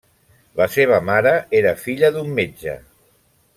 La seva mare era filla d'un metge.